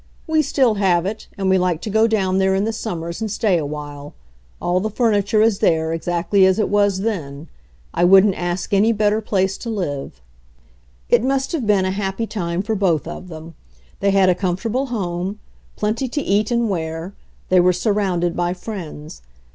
"We still have it, and we like to go down there in the summers and stay awhile. All the furniture is there, ex actly as it was then. I wouldn't ask any better place to live." It must have been a happy time for both of them. They had a comfortable home, plenty to eat and wear, they were surrounded by friends.